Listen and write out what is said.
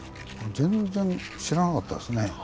全然知らなかったですね。